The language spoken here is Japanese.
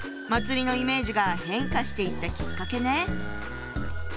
祭のイメージが変化していったきっかけね。